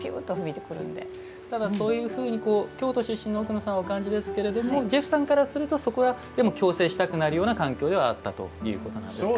ただ、そういうふうに京都出身の奥野さんはお感じですけれどもジェフさんからするとそこはでも共生したくなるような環境であったということなんですか。